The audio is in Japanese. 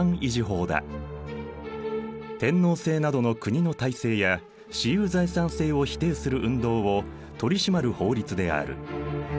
天皇制などの国の体制や私有財産制を否定する運動を取り締まる法律である。